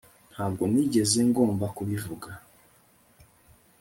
Ntabwo nigeze ngomba kubivuga